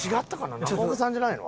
中岡さんじゃないの？